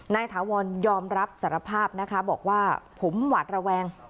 ถาวรยอมรับสารภาพนะคะบอกว่าผมหวาดระแวง